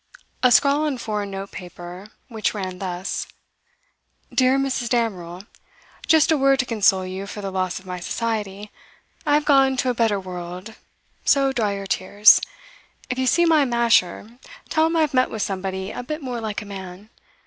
A scrawl on foreign note paper, which ran thus: DEAR MRS DAMEREL, Just a word to console you for the loss of my society. I have gone to a better world, so dry your tears. If you see my masher, tell him I've met with somebody a bit more like a man.